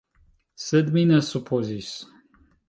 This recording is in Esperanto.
Sed mi ne supozis.